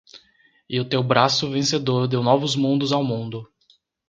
E o teu braço vencedor deu novos mundos ao mundo